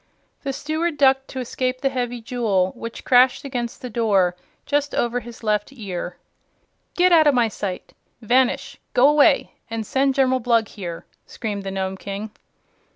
The Steward ducked to escape the heavy jewel, which crashed against the door just over his left ear. "Get out of my sight! Vanish! Go away and send General Blug here," screamed the Nome King.